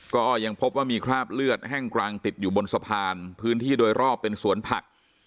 ก็ยังพบว่ามีคราบเลือดแห้งกลางติดอยู่บนสะพานพื้นที่โดยรอบเป็นสวนผัก